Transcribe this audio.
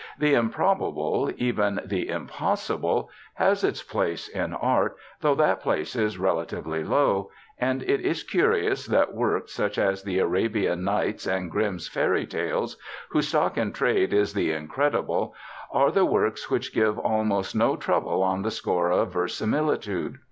The improbable, even the impossible, has its place in art, though that place is relatively low; and it is curious that works such as the "Arabian Nights" and Grimm's fairy tales, whose stock in trade is the incredible, are the works which give almost no trouble on the score of verisimilitude.